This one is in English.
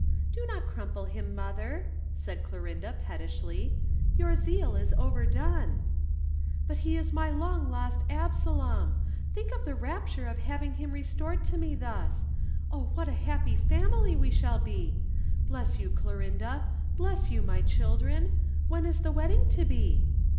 "Do not crumple him, mother," said Clorinda pettishly. "Your zeal is overdone." "But he is my long lost Absalom! Think of the rapture of having him restored to me thus. O what a happy family we shall be! Bless you, Clorinda. Bless you, my children. When is the wedding to be?"